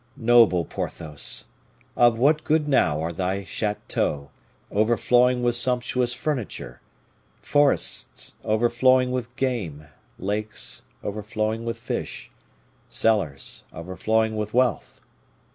Noble Porthos! of what good now are thy chateaux overflowing with sumptuous furniture, forests overflowing with game, lakes overflowing with fish, cellars overflowing with wealth!